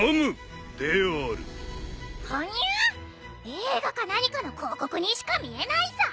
映画か何かの広告にしか見えないさ。